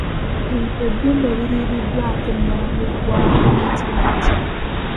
Eggumba eririiriddwako enyama n'eggwako liyitibwa litya?